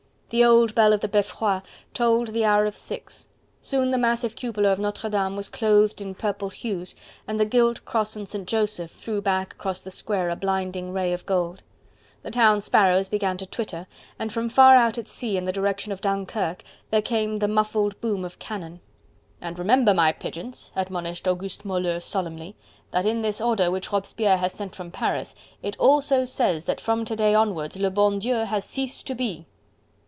The old bell of the Beffroi tolled the hour of six. Soon the massive cupola of Notre Dame was clothed in purple hues, and the gilt cross on St. Joseph threw back across the square a blinding ray of gold. The town sparrows began to twitter, and from far out at sea in the direction of Dunkirk there came the muffled boom of cannon. "And remember, my pigeons," admonished Auguste Moleux solemnly, "that in this order which Robespierre has sent from Paris, it also says that from to day onwards le bon Dieu has ceased to be!"